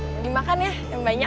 mending makan ya yang banyak